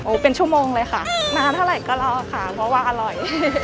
เป็นชั่วโมงเลยค่ะนานเท่าไหร่ก็รอค่ะเพราะว่าอร่อย